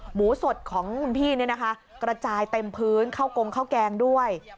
หมูสดของคุณพี่เนี่ยนะคะกระจายเต็มพื้นเข้ากงข้าวแกงด้วย